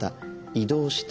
移動した。